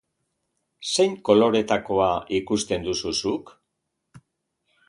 Zein koloretakoa ikusten duzu zuk?